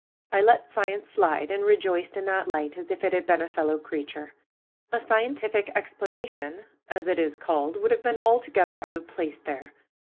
I let science slide, and rejoiced in that light as if it had been a fellow creature. A scientific explanation, as it is called, would have been altogether out of place there.